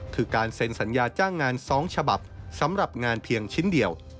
คือการเซ็นสัญญาจ้างงาน๒ฉบับสำหรับงานเพียงชิ้นเดียว